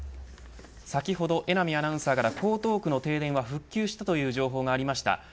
先ほど、榎並アナウンサーから江東区の停電が復旧した情報がありました。